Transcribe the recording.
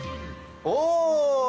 お！